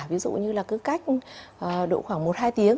ví dụ như là cứ cách độ khoảng một hai tiếng